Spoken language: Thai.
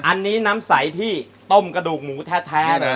อันนี้น้ำใสที่ต้มกระดูกหมูแท้เลย